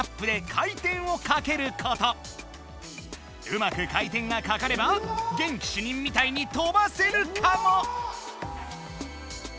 うまく回転がかかれば元気主任みたいに飛ばせるかも！